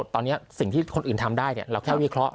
ตอนนี้สิ่งที่คนอื่นทำได้เราแค่วิเคราะห